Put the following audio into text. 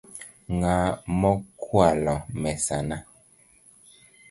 Ng'a mokwalo mesana?